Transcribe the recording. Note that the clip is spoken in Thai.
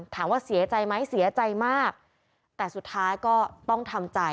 ถามว่าเสียใจไหมเสียใจมากแต่สุดท้ายก็ต้องทำใจ